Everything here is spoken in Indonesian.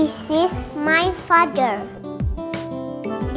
ini keluarga gua